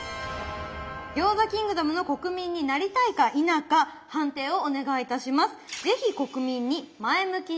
餃子キングダムの国民になりたいか否か判定をお願いいたします。